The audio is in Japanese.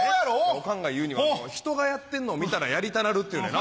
おかんが言うには「人がやってんのを見たらやりたなる」って言うねんな。